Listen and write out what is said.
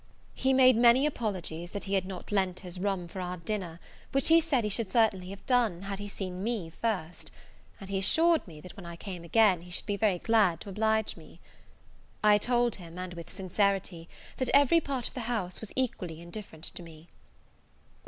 He made many apologies that he had not lent his room for our dinner, which he said, he should certainly have done, had he seen me first: and he assured me, that when I came again, he should be very glad to oblige me. I told him, and with sincerity, that every part of the house was equally indifferent to me.